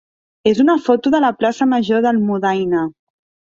és una foto de la plaça major d'Almudaina.